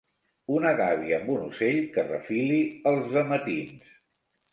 Una gàbia, amb un ocell que refili els de matins